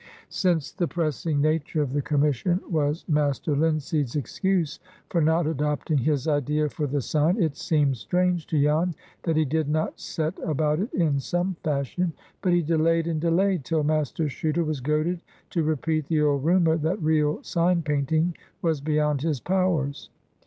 Since the pressing nature of the commission was Master Linseed's excuse for not adopting his idea for the sign, it seemed strange to Jan that he did not set about it in some fashion. But he delayed and delayed, till Master Chuter was goaded to repeat the old rumor that real sign painting was beyond his powers.